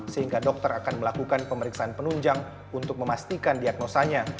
sehingga dokter akan melakukan pemeriksaan penunjang untuk memastikan diagnosanya